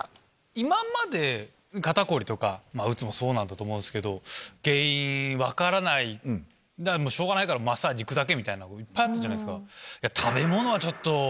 今まで肩凝りとかうつもそうなんだと思うんですけど原因分からないしょうがないからマッサージ行くのいっぱいあったじゃないですか。